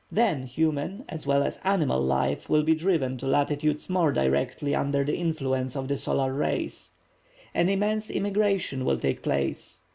Then human, as well as animal life, will be driven to latitudes more directly under the influence of the solar rays. An immense emigration will take place.